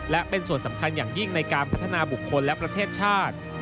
และเป็นส่วนสำคัญอย่างยิ่งในการพัฒนาบุคคลและประเทศชาติ